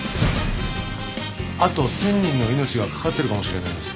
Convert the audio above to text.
「あと１０００人の命が懸かってるかもしれないんです」